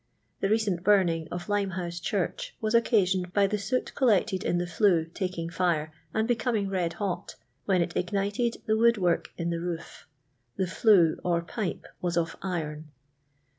The rtcent burning of Limehoiije Ohurch ii'tt* occaiioned hy the loot colkcted m the flue taking fire^ and becommg red hot, when it igiiit<?d the wood' work in thv rt^if. The flue, or pipp, wiutif iron.